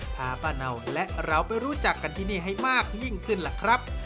พาป้าเนาและเราไปรู้จักกันที่นี่ให้มากยิ่งขึ้นล่ะครับ